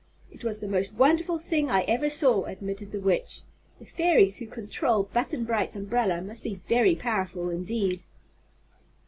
"It was the most wonderful thing I ever saw," admitted the Witch. "The fairies who control Button Bright's umbrella must be very powerful, indeed!"